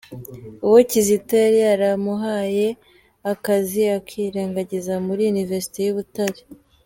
Uwo Kizito yari yaramuhaye akazi akirangiza muri Université y’i Butare.